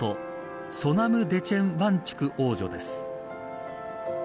ソナム・デチェン・ワンチュク王女です。